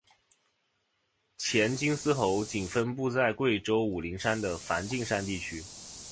黔金丝猴仅分布在贵州武陵山的梵净山地区。